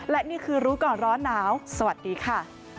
และนี่คือรู้ก่อนร้อนหนาวสวัสดีค่ะ